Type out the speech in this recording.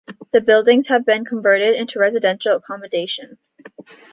The buildings have been converted into residential accommodation.